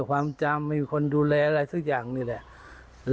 ความจำไม่มีคนดูแลอะไรสักอย่างนี่แหละ